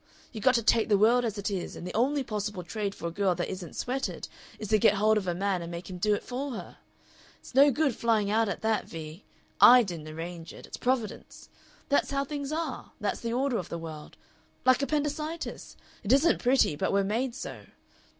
You got to take the world as it is, and the only possible trade for a girl that isn't sweated is to get hold of a man and make him do it for her. It's no good flying out at that, Vee; I didn't arrange it. It's Providence. That's how things are; that's the order of the world. Like appendicitis. It isn't pretty, but we're made so.